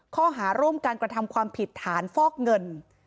ข้อหาร่วมการกระทำความผิดฐานฟอกเงิน